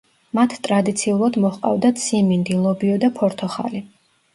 მათ ტრადიციულად მოჰყავდათ სიმინდი, ლობიო და ფორთოხალი.